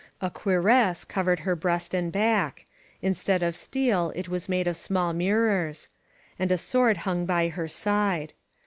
A cuirass covered her breast and back; inr stead of steel it was made of small mirrors. And a sword hung at her side.